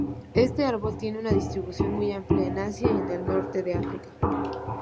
Este árbol tiene una distribución muy amplia en Asia y el norte de África.